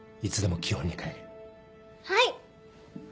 はい。